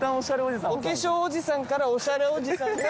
お化粧おじさんからおしゃれおじさんになって。